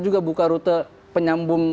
juga buka rute penyambung